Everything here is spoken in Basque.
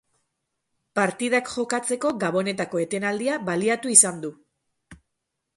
Partidak jokatzeko Gabonetako etenaldia baliatu izan du.